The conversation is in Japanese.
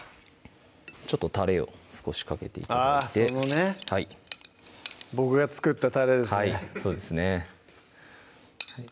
ちょっとたれを少しかけて頂いて僕が作ったたれですねはい